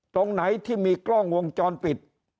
ตรงไหนที่มีกล้องวงจรปิด